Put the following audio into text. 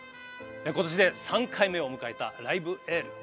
今年で３回目を迎えた「ライブ・エール」。